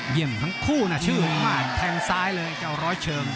เยี่ยมทั้งคู่นะชื่อผมมากแทงซ้ายเลยเจ้าร้อยเชิง